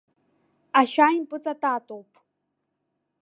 Ашьа импыҵататоуп!